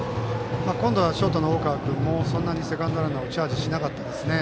今度はショートの大川君もそんなにセカンドランナーをチャージしなかったですね。